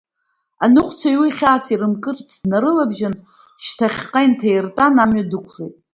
Аныҟәцаҩ уи хьаас ирымкырц днарылабжьан, шьҭахьҟа инҭаиртәан, амҩа дықәлеит.